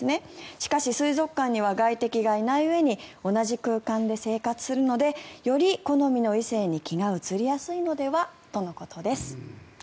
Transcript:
しかし水族館には外敵がいないうえに同じ空間で生活するのでより好みの異性に気が移りやすいのではとのことです。